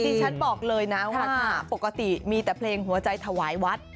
ดิฉันบอกเลยนะว่าถ้าปกติมีแต่เพลงหัวใจถวายวัด